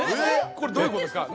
これどういうことですか？